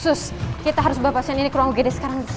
sus kita harus bawa pasien ini ke ruang ugd sekarang